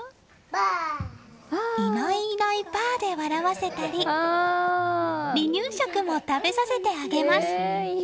いないいないばあで笑わせたり離乳食も食べさせてあげます。